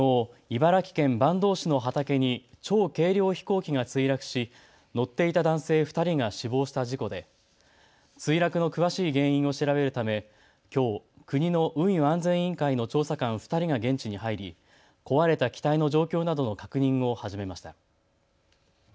茨城県坂東市の畑に超軽量飛行機が墜落し、乗っていた男性２人が死亡した事故で墜落の詳しい原因を調べるためきょう国の運輸安全委員会の調査官２人が現地に入り壊れた機体の状況などの確認を始めました。